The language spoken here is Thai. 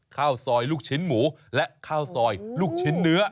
ข้าวซอยลูกชิ้นหมูและข้าวซอยลูกชิ้นเนื้อ